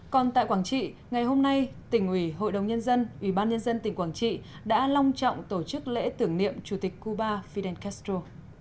còn tại quảng trị ngày hôm nay tỉnh ủy hội đồng nhân dân ủy ban nhân dân tỉnh quảng trị đã long trọng tổ chức lễ tưởng niệm chủ tịch cuba fidel castro